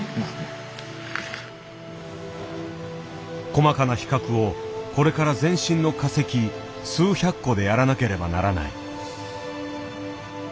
細かな比較をこれから全身の化石数百個でやらなければならない。